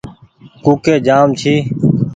ڪوُڪي جآم ڇي ۔